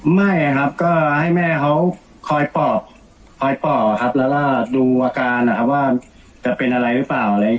ไม่ครับก็ให้แม่เขาคอยปอบคอยปอบครับแล้วก็ดูอาการนะครับว่าจะเป็นอะไรหรือเปล่าอะไรอย่างนี้